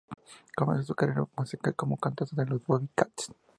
Comenzó su carrera musical como cantante de Los Bobby Cats.